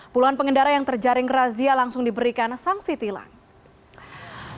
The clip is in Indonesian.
puluhan pengendara yang terjaring razia langsung diberikan sanksi tilang